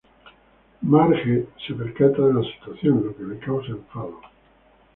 Marge se percata de la situación, lo que le causa enfado.